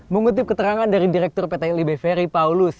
mengutip keterangan dari direktur pt lib ferry paulus